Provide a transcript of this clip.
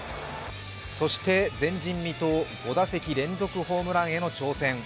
そして前人未到、５打席連続ホームランへの挑戦。